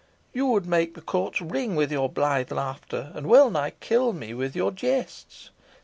You would make the courts ring with your blithe laughter, and wellnigh kill me with your jests.